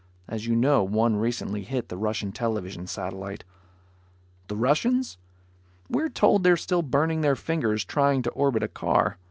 As you know, one recently hit the Russian television satellite. The Russians? We're told they're still burning their fingers trying to orbit a car.